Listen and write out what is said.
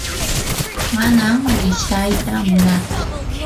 manam mutsyata munaatsu.